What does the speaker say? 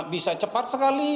bisa cepat sekali